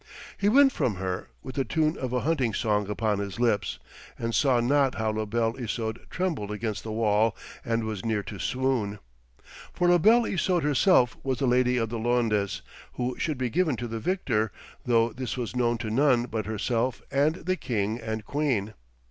He went from her, with the tune of a hunting song upon his lips, and saw not how La Belle Isoude trembled against the wall and was near to swoon. For La Belle Isoude herself was the Lady of the Laundes who should be given to the victor, though this was known to none but herself and the king and queen.